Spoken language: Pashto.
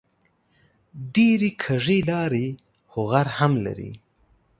ډېرې کږې لارې خو غر هم لري